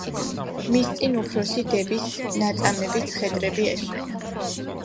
მის წინ უფროსი დების ნაწამები ცხედრები ესვენა.